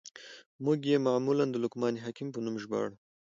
موږ ئې معمولاً د لقمان حکيم په نوم ژباړو.